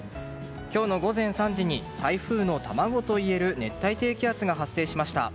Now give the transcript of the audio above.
今日の午前３時に台風の卵といえる熱帯低気圧が発生しました。